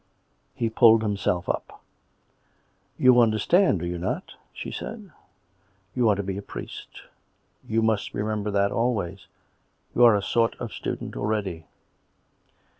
He pulled hims'elf up. " You understand, do you not.'' " she said. " You are to be a priest. You must remember that always. You are a sort of student already."